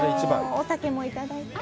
お酒もいただいて。